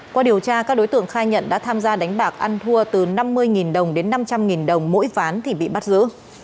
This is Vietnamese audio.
qua điều tra các đối tượng khai nhận đã tham gia đánh bạc ăn thua từ năm mươi đồng đến năm trăm linh đồng mỗi ván thì bị bắt giữ